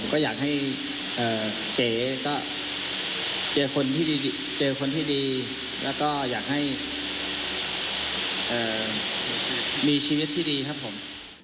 ก็อยากให้เจเจอคนที่ดีแล้วก็อยากให้มีชีวิตที่ดีครับผม